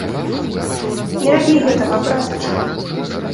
Не рабі гэтага, братачка!